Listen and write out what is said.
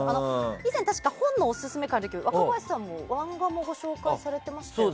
以前、確か本のオススメ会で若林さんも漫画もご紹介されていましたよね。